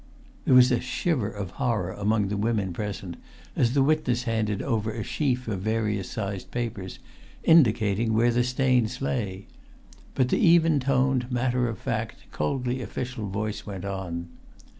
There was a shiver of horror amongst the women present as the witness handed over a sheaf of various sized papers, indicating where the stains lay. But the even toned, matter of fact, coldly official voice went on.